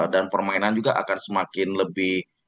dan permainan juga akan semakin lebih